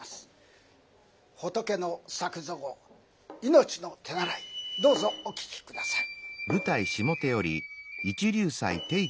「仏の作蔵命の手習」どうぞお聴き下さい。